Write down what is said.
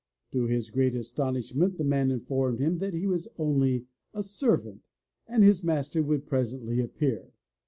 To his great astonishment the man informed him that he was only a servant, and his master would presently appear!